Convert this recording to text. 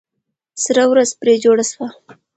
سره ورځ پرې جوړه سوه.